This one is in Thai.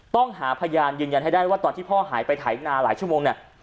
ต้องหาพยานยืนยันให้ได้ว่าตอนที่พ่อหายไปไถนาหลายชั่วโมงเนี่ย